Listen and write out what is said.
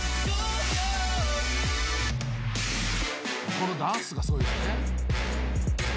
「このダンスがすごいよね」